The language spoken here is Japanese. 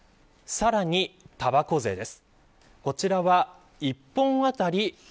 さらに、たばこ税です。